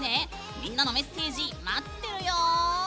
みんなのメッセージ待ってるよ！